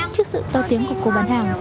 trước sự to tiếng của cô bán hàng